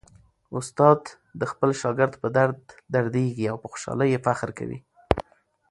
استاد د خپل شاګرد په درد دردیږي او په خوشالۍ یې فخر کوي.